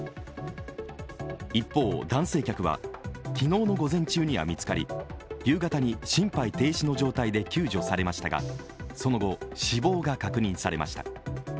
一方、男性客は昨日の午前中には見つかり夕方に心肺停止の状態で救助されましたがその後、死亡が確認されました。